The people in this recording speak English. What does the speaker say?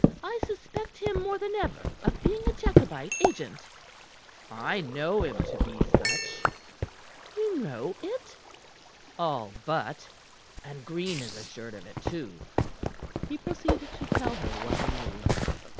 "I suspect him more than ever of being a Jacobite agent." "I know him to be such." "You know it?" "All but; and Green is assured of it, too." He proceeded to tell her what he knew.